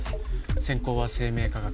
専攻は生命科学